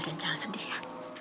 aduh jangan sedih ya